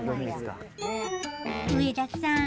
上田さん